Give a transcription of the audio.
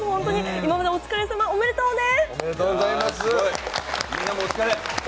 今までお疲れさま、おめでとうね！